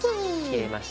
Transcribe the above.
切れました。